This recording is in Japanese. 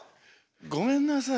ごめんなさい。